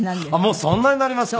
もうそんなになりますか。